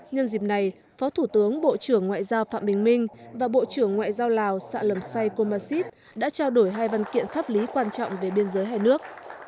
nhân dịp này phó thủ tướng bộ trưởng ngoại giao phạm bình minh và bộ trưởng ngoại giao lào sạ lầm say komasit đã trao đổi hai văn kiện pháp lý quan trọng về biên giới hai nước